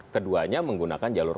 keduanya menggunakan jalur